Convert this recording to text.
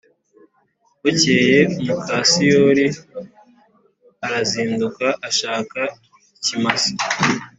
Bukeye muka Syoli arazinduka ashaka ikimasa